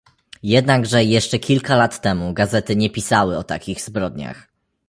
Jednakże jeszcze kilka lat temu gazety nie pisały o takich zbrodniach